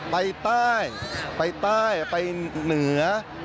ไปใต้ไปใต้ไปเหนือ